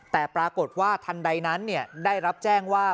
แต่ปรากฏว่าทันใดนั้นได้รับแจ้งว่า